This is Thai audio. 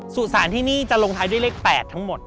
สุสานที่นี่จะลงท้ายด้วยเลข๘ทั้งหมด